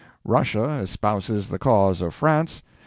Russia espouses the cause of France.